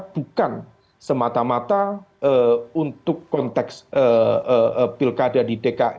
bukan semata mata untuk konteks pilkada di dki